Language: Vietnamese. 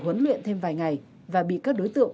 huấn luyện thêm vài ngày và bị các đối tượng